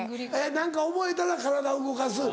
何か覚えたら体動かす。